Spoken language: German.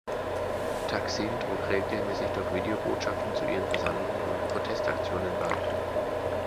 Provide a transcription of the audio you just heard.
Thaksin trug regelmäßig durch Videobotschaften zu ihren Versammlungen und Protestaktionen bei.